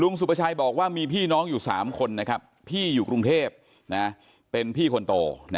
สุประชัยบอกว่ามีพี่น้องอยู่๓คนนะครับพี่อยู่กรุงเทพเป็นพี่คนโต